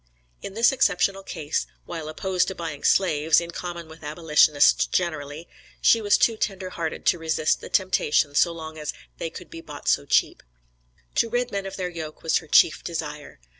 In this exceptional case, while opposed to buying slaves, in common with abolitionists generally, she was too tender hearted to resist the temptation so long as "they could be bought so cheap." To rid men of their yoke was her chief desire.